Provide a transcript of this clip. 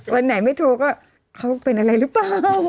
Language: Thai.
วันไหนไม่โทรก็เขาเป็นอะไรหรือเปล่า